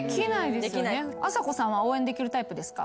あさこさんは応援できるタイプですか？